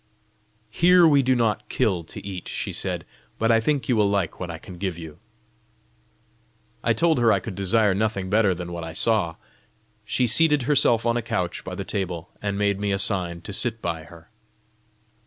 "Here we do not kill to eat," she said; "but I think you will like what I can give you." I told her I could desire nothing better than what I saw. She seated herself on a couch by the table, and made me a sign to sit by her.